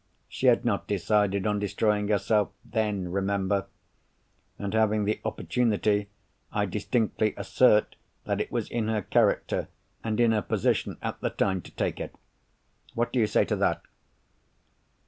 She had not decided on destroying herself, then, remember; and, having the opportunity, I distinctly assert that it was in her character, and in her position at the time, to take it. What do you say to that?"